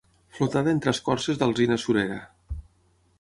Flotada entre escorces d'alzina surera.